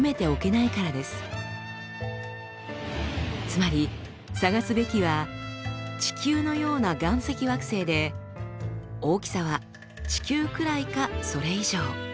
つまり探すべきは「地球のような岩石惑星」で「大きさは地球くらいかそれ以上」